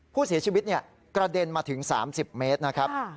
ผู้เสียชีวิตกระเด็นมาถึง๓๐เมตรนะครับ